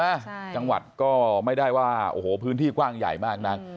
จังหวัดก็ไม่ได้ว่าโอ้โหพื้นที่กว้างใหญ่มากนัก